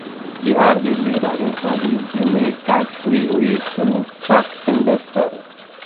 Bihar, Delhi, Rajasthan, UP में tax free हुई film chalk n duster